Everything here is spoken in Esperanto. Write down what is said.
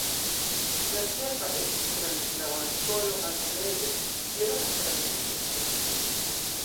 La ĉefa estis trans la Markolo al Kalezo, kie loka esperantisto gvidis nin.